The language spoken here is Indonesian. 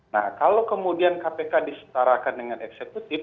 nah kalau kemudian kpk disetarakan dengan eksekutif